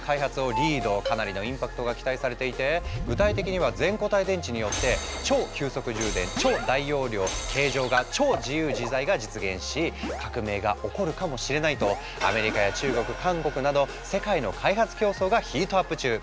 かなりのインパクトが期待されていて具体的には全固体電池によって「超急速充電」「超大容量」「形状が超自由自在」が実現し革命が起こるかもしれないとアメリカや中国韓国など世界の開発競争がヒートアップ中！